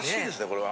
これは。